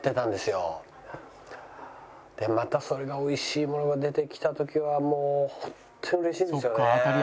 でまたそれが美味しいものが出てきた時はもうホントに嬉しいんですよね。